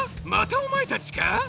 またおまえたちか？